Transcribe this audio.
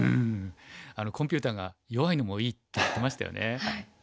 コンピューターが弱いのもいいって言ってましたよね。